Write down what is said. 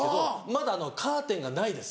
まだカーテンがないです。